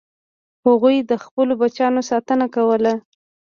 هغوی د خپلو بچیانو ساتنه کوله.